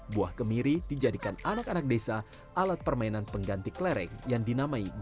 buah kemiri dijadikan anak anak desa alat permainan pengganti klereng yang dinamai